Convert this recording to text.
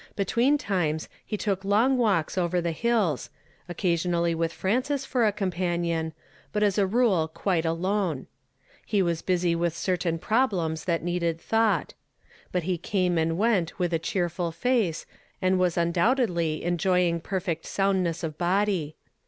Between times he took long walks over the hills ; occasionally with Frances for a companion, but as a rule quite alone. He was busy with certain problems that needed thought; but he came and went with a cheerful face, and was undoubtedly enjoying per (( I WILL NOT REFRAIN MY LIPS.' 83 feet soundness of body.